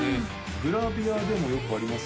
グラビアでもよくあります？